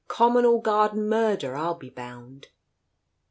Common or garden murder, I'll be bound."